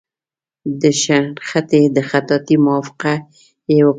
د شنختې د خطاطۍ موافقه یې وکړه.